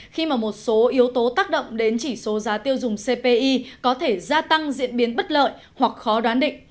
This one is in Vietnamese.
khi mà một số yếu tố tác động đến chỉ số giá tiêu dùng cpi có thể gia tăng diễn biến bất lợi hoặc khó đoán định